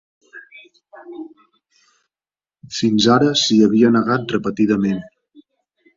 Fins ara s’hi havia negat repetidament.